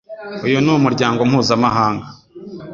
Uyu ni umuryango mpuzamahanga